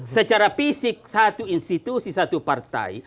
secara fisik satu institusi satu partai